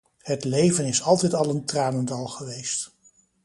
Het leven is altijd al een tranendal geweest.